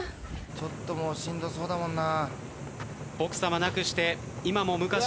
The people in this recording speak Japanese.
ちょっともうしんどそうだもんな。